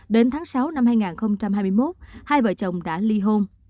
đến tháng sáu năm hai nghìn hai mươi một hai vợ chồng đã ly hôn